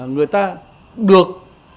người ta được